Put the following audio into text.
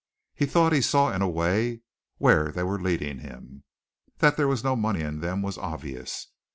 He thought he saw in a way where they were leading him. That there was no money in them was obvious.